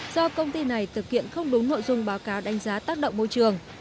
do công ty này thực hiện không đúng nội dung báo cáo đánh giá tác động môi trường